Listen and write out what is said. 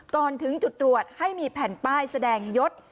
ก่อนถึงจุดตรวจให้มีแผ่นป้ายแสดงยศ